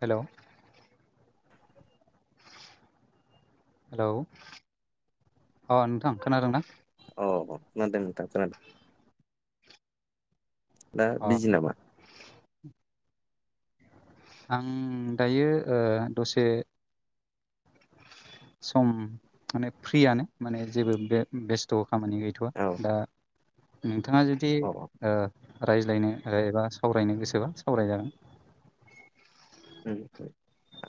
हेल'। Hello अ नोंथां खोनादोंना? अ खोनादों नोंथां खोनादों। हो अ बिजि नामा? आं दायो ओ दसे सम माने फ्रियानो माने जेबो बे बेस्थ' खामानि गैथ'वा औ दा नोंथाङा जुदि औ औ रायज्लायनो एबा सावरायनो गोसोबा सावराय जागोन।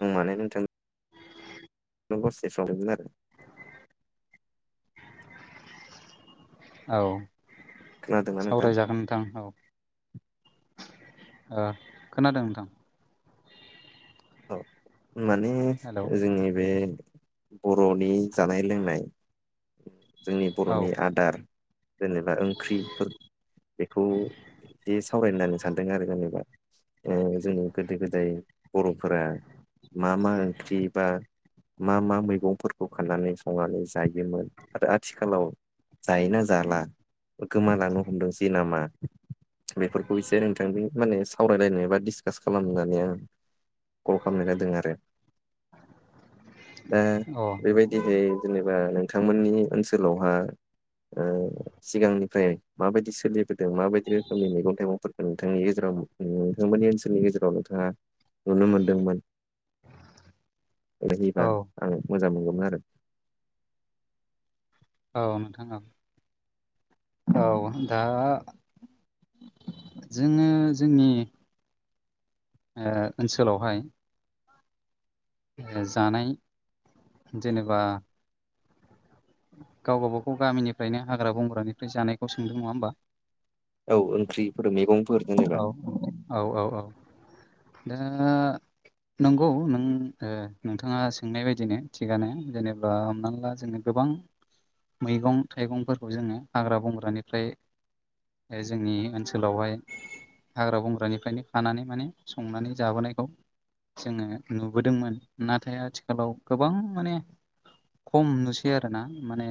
आं माने नोंथांखौ सोदोंमोन आरो। औ खोनादोंना नोंथां सावराय जागोन नोंथां औ। खोनादों नोंथां। औ माने हेलौ जोंनि बे बर'नि जानाय लोंनाय जोंनि औ बर'नि आदार जेनेबा ओंख्रिफोर बेखौ एसे सावरायनो होनांनो सानदों आरो जेनेबा जोंनि गोदो गोदाय फोर मा मा ओंख्रि बा मा मा मैगंफोरखौ खाननानै संनानै जायोमोन आरो आथिखालाव जायोना जाला गोमालानो हमदोंसै नामा। बेफोरखौ एसे नोंथांजों माने सावरायलायनो बा डिसकास खालाम होननानै आङो। कल खालामनाय जादों आरो दा औ बेबायदिहै जेनेबा नोंथांमोननि ओनसोलावहा सिगांनिफ्राय माबायदि सोलिबोदों माबायदि रोखोमनि मैगं थाइगंफोर नोंथांनि गेजेराव नोंथांमोननि ओनसोलनि गेजेराव नोंथाङा नुनो मोनदोंमोन औ हयोबा आं मोजां मोनगौमोन आरो औ नोंथां औ। औ दा। जोङो जोंनि ओनसोलावहाय। जानाय जेनेबा गावबा गाव गामिनिफ्रायनो हाग्रा बंग्रानिफ्राय जानायखौ सोंदों नङा होमबा। औ ओंख्रिफोर मैगं औ औ औ औ औ दा। नंगौ नों नोंथाङा सोंनाय बायदिनो थिगानो जेनेबा हमना ला जोङो। गोबां मैगं थाइगंफोरखौ जोङो हाग्रा बंग्रानिफ्राय बे जोंनि ओनसोलावहाय हाग्रा बंग्रानिफ्रायनो खानानै माने संनानै जाबोनायखौ जोङो नुबोदोंमोन नाथाय आथिखालाव गोबां माने खम नुसै आरोना माने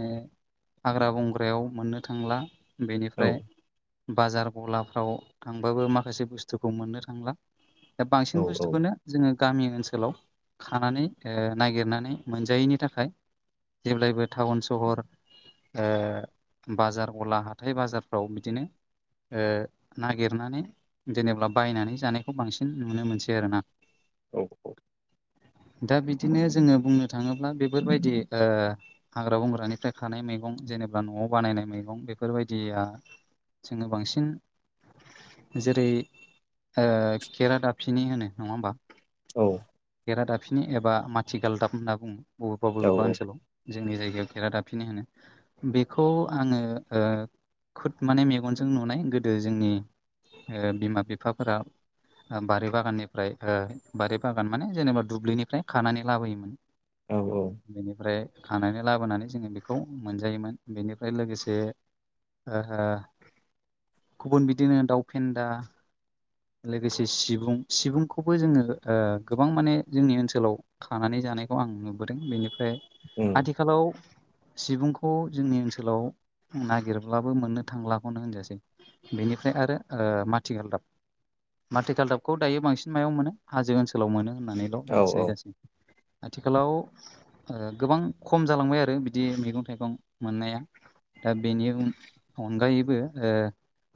हाग्रा बंग्रायाव मोननो थांला। औ बेनिफ्राय बाजार गलाफ्राव थांबाबो माखासे बुस्थुखौ मोननो थांला। दा औ बांसिन बुस्थुखौनो जोङो गामि ओनसोलाव खानानै नागिरनानै मोनजायैनि थाखाय। जेब्लायबो टाउन सहर। बाजार गला हाथाइ बाजारफ्राव बिदिनो। नागिरनानै जेनेबा बायनानै जानायखौ बांसिन नुनो मोनसै आरोना। [inaudible] दा बिदिनो जोङो बुंनो थाङोब्ला बेफोर बायदि। हाग्रा बंग्रानिफ्राय खानाय मैगं जेनेबा न'आव बानायनाय मैगं बेफोर बायदिया। जोङो बांसिन जेरै केरादाफिनि होनो नङा होमबा औ गरा दाबसिनि एबा माथिगाल दाब होनना बुङो बबेबा औ बबेबा ओनसोलाव जोंनि जायगायाव खेेरा दाफिननो होनो बेखौ आङो खुद माने मेगनजों नुनाय गोदो जोंनि बिमा बिफाफोरा बारि बागाननिफ्राय बारि बागान माने जेनेबा दुब्लिनिफ्राय खानानै लाबोयोमोन औ औ बेनिफ्राय खानानै लाबोनानै जोङो बेखौ मोनजायोमोन बेनिफ्राय लोगोसे ओ गुबुन बिदिनो दाउ फेन्दा लोगोसे सिबुं सिबुंखौबो जोङो गोबां माने जोंनि ओनसोलाव थानानै जानायखौ आं नुबोदों बेनिफ्राय औ आथिखालाव सिबुंखौ जोंनि ओनसोलाव नागिरब्लाबो मोननो थांलाखौनो होनजासै बेनिफ्राय आरो माथि गालदाब माथिकाल दाबखौ दायो बांसिन मायाव मोनो हाजो ओनसोलाव मोनो होननानैल' औ औ मिथिनाय जासै आथिखालाव गोबां खम जालांबाय आरो बिदि मैगं थाइगं मोननाया दा बेनि अनगायैबो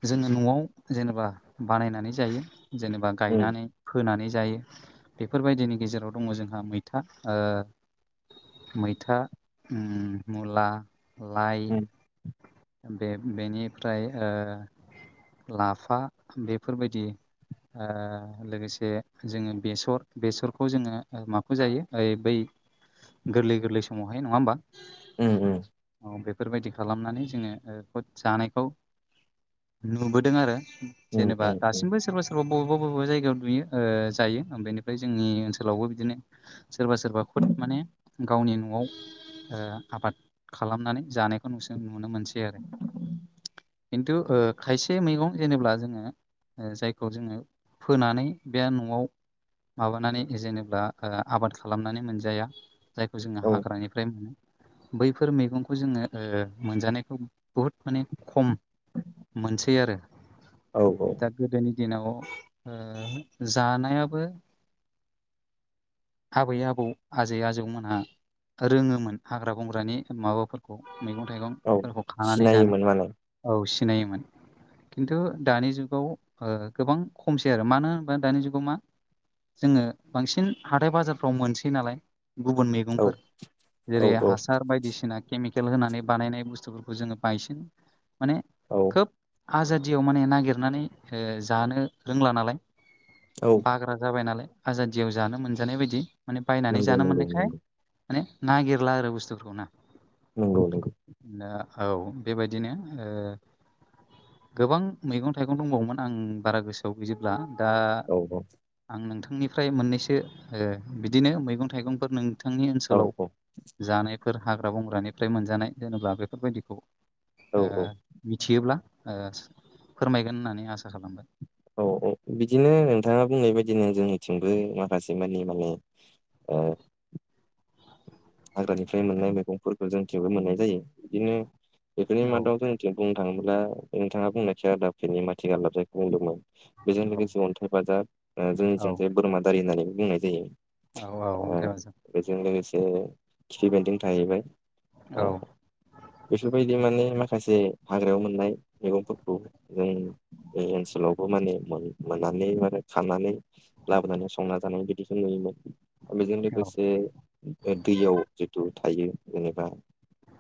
जोङो न'आव जेनेबा बानायनानै जायो जेनेबा उम गायनानै फोनानै जायो बेफोरबायदिनि गेजेराव दङ जोंहा मैथा मैथा मुला लाइ उम बे बेनिफ्राय लाफा बेफोरबायदि लोगोसे जोङो बेसर बेसरखौ जोङो माखौ जायो बै गोरलै गोरलै समावहाय नङा होमबा [unintelligible] औ बेफोरबायदि खालामनानै जोङो जानायखौ नुबोदों आरो उम जेनेबा उम उम दासिमबो सोरबा सोरबा सोरबा बबेबा बबेबा जायगायाव नुयो जायो ओ बेनिफ्राय जोंनि ओनसोलावबो बिदिनो सोरबा सोरबा खुद माने गावनि न'आव आबाद खालामनानै जानायखौ नुनो मोनसै आरो खिन्थु खायसे मैगं जेनेब्ला जोङो जायखौ जोङो फोनानै बे न'आव माबानानै जेनेब्ला आबाद खालामनानै मोनजाया जायखौ जोङो औ हाग्रानिफ्राय मोनो बैफोर मैगंखौ जोङो मोनजानायखौ बुहुद माने खम मोनसै आरो औ औ दा गोदोनि दिनाव जानायाबो आबै आबौ आजै आजौमोनहा रोङोमोन हाग्रा बंग्रानि माबाफोरखौ मैगं औ थाइगंफोरखौ खानानै सिनायोमोन जानो माने औ सिनायोमोन खिन्थु दानि जुगाव गोबां खमसै आरो मानो होनोबा दानि जुगाव मा जोङो बांसिन हाथाय बाजारफ्राव मोनसै नालाय गुबुन मेगं औ सुबुंफोर औ जेरै औ हासार बायदिसिना केमिकेल होनानै बानायनाय बुस्थुफोरखौ जोङो बायसिन माने औ खोब आजादियाव माने नागिरनानै जानो रोंला नालाय औ बाग्रा जाबाय नालाय आजादियाव जानो मोनजानाय बायदि माने बायनानै नंगौ जानो नंगौ मोननायखाय नंगौ माने नागिरला आरो बुस्थुफोरखौ ना नंगौ नंगौ औ बेबायदिनो गोबां मैगं थाइगं दंबावोमोन आं बारा गोसो औ गैयजोब्ला दा औ औ आं नोंथांनिफ्राय मोननैसो बिदिनो मैगं थाइगंफोर नोंथांनि औ ओनसोलाव औ जानायफोर हाग्रा बंग्रानिफ्राय मोनजानाय दोनोब्ला बेफोरबायदिखौ औ मिथियोब्ला फोरमायगोन होननानै आसा खालामबाय औ औ बिदिनो नोंथाङा बुंनाय बायदिनो जोंनिथिंबो माखासे माने माने औ हाग्रानिफ्राय मोननाय मैगंफोरखौ जोंथिंबो मोननाय जायो बिदिनो बेफोरनि औ मादाव जों बुंनो थाङोब्ला नोंथाङा बुंनाखै [unintelligible] माथि गालदाब जायखौ बुंदोंमोन। बेजों औ लोगोसे अन्थाइ बाजाब औ जोंनिजोंजाय बोरमादारि होननानै बुंनाय जायो। औ औ अन्थाइ बाजाब बेजों लोगोसे खिफि बेन्दों थाहैबाय औ। बेफोरबायदि माने माखासे हाग्रायाव मोननाय मैगंफोरखौ जों बे ओनसोलावबो माने मोननानै आरो खानानै लाबोनानै संना जानाय बिदिखौ नुयोमोन बेजों औ लोगोसे दैयाव जिथु थायो जेनेबा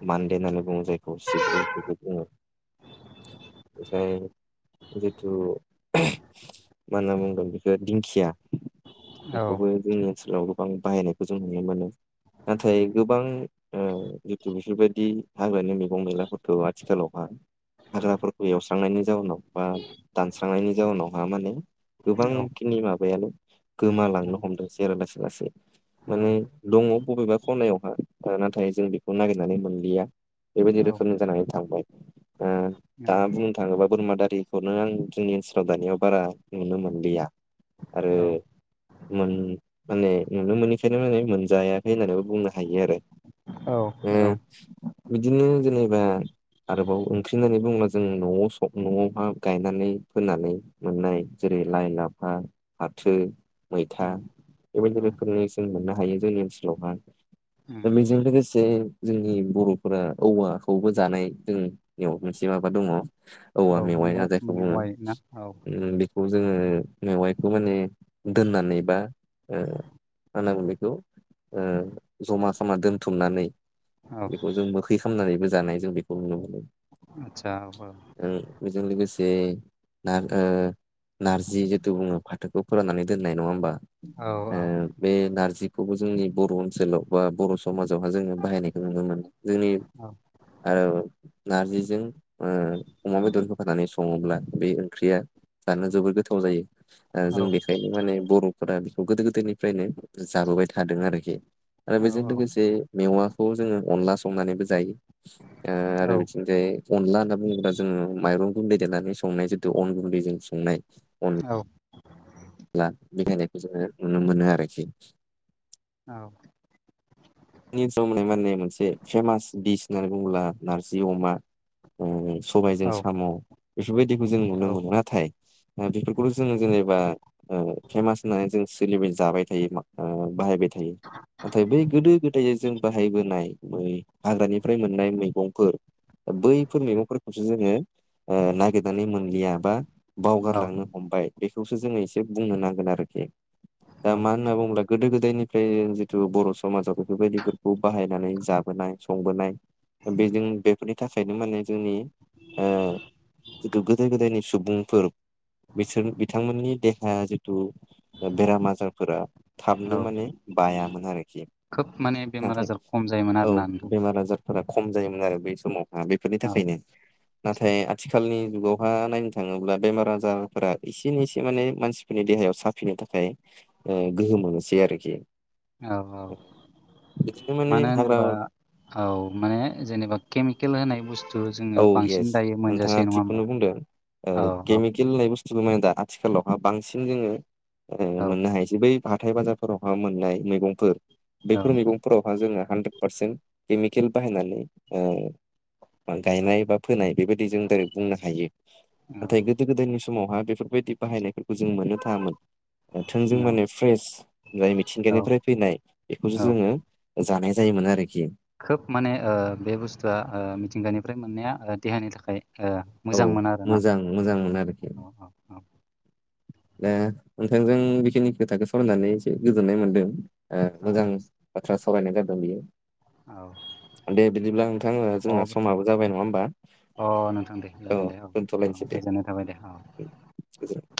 मान्दे होननानै बुङो जायखौ सिब्रु बिदि बुङो ओफ्राय जिथु मा होनना बुंगोन बेखो दिंखिया औ बेखौबो जोंनि ओनसोलाव गोबां बाहायनायखौ जों नुनो मोनो। नाथाय गोबां ओ इउटुब इफोरबायदि हाग्रानि मैगं मैलाफोरखौ' आथिखालावहा हाजाफोरखौ एवस्रांनायनि जाउनाव बा दानस्रांनायनि जाउनावहा माने औ गोबांखिनि माबायानो औ गोमालांनो हमदों जेरा लासै लासै औ माने दङ बबेबा खनायावहा ओ नाथाय जों बेखौ नागिरनानै मोनलिया। बेबायदि औ रोखोमनि जानानै थांबाय औ दा बुं थाङोबा बोरमा दारिखौनो आं जोंनि ओनसोलाव दानिआ बारा नुनो मोनलिया। आरो मोन माने नुनो मोनैखायनो माने मोनजाया होननानैबो बुंनो हायो आरो ओ बिदिनो जेनेबा आरोबाव ओंख्रि होननानै बुंङोब्ला जों न'आव न'आवहा गायनानै फोनानै मोननाय जेरै लाइ लाफा, फाथो, मैथा बेबायदि रोखोमनि जों मोननो हायो जोंनि ओनसोलावहा उम बेजों लोगोसे जोंनि बर'फोरा औवाखौबो जानाय जोंनियाव मोनसे माबा दङ औवा औ मेवाइ मेव होनना जायखौ बुङो। मेवाइ ना औ खौ जोङो मेवाइखौ माने दोननानै बा ओ मा होनना बुङो बेखौ जमा खामना दोनथुमनानै औ बेखौ जों बो थै खालामनानैबो जानाय जों बेखौ नुनो मोनो। आदसा ओ बेजों लोगोसे नार ओ नारजि जिथु बुङो फाथोखौ फोराननानै दोननाय नङा होमबा औ औ ओ बे नारजिखौबो जोंनि बर' ओनसोलाव बा बर' समाजावहा जोङो बाहायनायखौ नुनो मोनो जोंनि औ ओ नारजिजों ओ अमा बेदर होफानानै सङोब्ला बे ओंख्रिया जानो जबोद गोथाव जायो ओ औ जों बेखायनो माने बर' बेखौ गोदो गोदायनिफ्रायनो जाबोबाय थादों आरोखि आरो बेजों लोगोसे मेवाखौ जोङो अनला संनानैबो जायो ओ आरो बिथिं जे अनला होनना बुङोब्ला जोङो माइरं गुन्दै देरनानै संनाय जितु अन गुन्दै जों संनाय औ ब्ला बेखायनायखौ जोङो नुनो मोनो आरोखि। औ नि ओनसोलाव मोननाय माने मोनसे फेमास दिस होननानै बुङोब्ला नारजि अमा ओ औ सबायजों साम' इफोरबायदिखौ जों नुनो औ मोनो नाथाय बेफोरखौल' जोङो जेनेबा ओ फेमास होननानै जों सोलिबाय जाबाय थायो ओ बाहायबाय थायो। थायो नाथाय बै गोदो गो जों बाहायबोनाय बै हाग्रानिफ्राय मोननाय मैगंफोर बैफोर मैगंफोरखौसो जोङो ओ नागिरनानै मोन बा औ बावगारलांनो हमबाय बेखौसो जोङो एसे बुंनो नांगोन आरोखि दा औ मा होनना बुङोब्ला गोदो गोदायनिफ्राय जिथु बर' समाजाव बेफोर बायदिफोरखौ बाहायनानै जाबोनाय संबोनाय बेजों बेफोरनि थाखायनो माने जोंनि ओ जिथु गोदो गोदायनि सुबुंफोर बिसोर बिथांमोननि देहाया जिथु ओ बेराम आजारफोरा औ थाबनो माने बायामोन आरोखि खोब माने बेमार नाथाय आजार खम जायोमोन औ आरोना नोंथां बेमार आजार फोरा खम जायोमोन आरो बै समावहा बेफोरनि औ थाखायनो नाथाय आथिखालनि जुगावहा नायनो थाङोब्ला बेमार आजारफोरा एसेनो इसे माने मानसि नि देहायाव साफिनो थाखाय गोहो मोनोसै आरोखि औ औ बिदिनो माने मानो हाग्रा होनोबा औ माने जेनेबा केमिकेल होनाय बु थु औ जोङो येस बांसिन दायो नोंथाङा मोनजासेै नङा होमबा औ औ केल होननाय बुस्थुखौ माने दा आथिखालावहा बांसिन जोङोह औ मोननो हायोसै बै हाथाय बाजारफोरावहा मोननाय मैगंफोर औ बेफोर मैगंफोराव जोङो हानद्रेद पारसेन्ट केमिकेल बाहायनानै गायनाय बा फोनाय बेबायदि जों रेक्ट बुंनो हायो नाथाय गोदो गोदायनि समावहााय बेफोरबायदि बाहायनायफोरखौ जों मोननो थाङामोन। थोंजों औ माने फ्रेस जाय औ मिथिंगानिफ्राय फैनाय बेखौसो औ जोङो जानाय जायोमोन आरोखि खोब माने ओ बे बुस्थुआ ओ मिथिंगानिफ्राय मोननाया देहानि थाखाय ओ औ मोजां मोनो आरो ना मोजां मोजांमोन आरोखि औ औ औ दा नोंथांजों बेखिनि खोथाखौ सोलोंनानै एसे गोजोननाय मोन्दों। ओ मोजां बाथ्रा सावरायनाय जादों बियो औ दे बिदिब्ला नोंथां ओ जोंहा औ समाबो जाबाय नङा होमबा अ नोंथां दे जागोन दे औ औ दोनथ'लायनोसै दे गोजोननाय थाबाय दे औ [unintelligible]